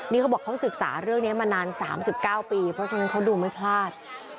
นี่เขาบอกเขาศึกษาเรื่องนี้มานาน๓๙ปีเพราะฉะนั้นเขาดูไม่พลาด